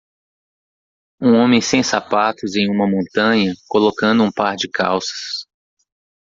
Um homem sem sapatos em uma montanha, colocando um par de calças.